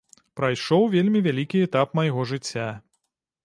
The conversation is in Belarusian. Прайшоў вельмі вялікі этап майго жыцця.